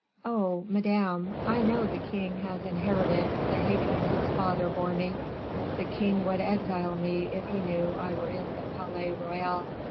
"Oh! madame, I know the king has inherited the hatred his father bore me. The king would exile me if he knew I were in the Palais Royal."